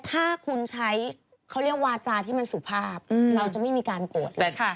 ถ้าคุณใช้เขาเรียกวาจาที่มันสุภาพเราจะไม่มีการกด